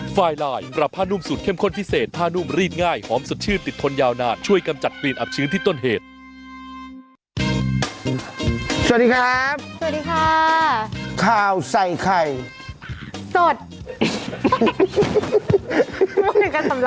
สวัสดีครับสวัสดีค่ะขาวใส่ไข่สด